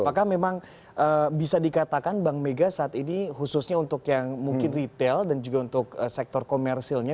apakah memang bisa dikatakan bank mega saat ini khususnya untuk yang mungkin retail dan juga untuk sektor komersilnya